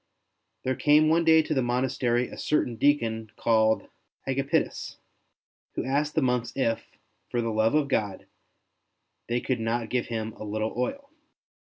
There came one day to the monastery a certain deacon called Agapitus, who asked the monks if, for the love of God, they could not give him a little oil.